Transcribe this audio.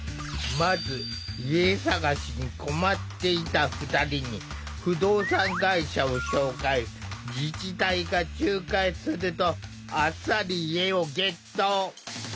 まず家探しに困っていた２人に自治体が仲介するとあっさり家をゲット。